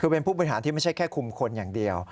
คือเป็นผู้บริหารที่ไม่ใช่แค่คุมคนอย่างเดียว